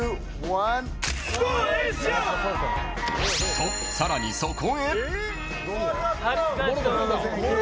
と、さらにそこへ。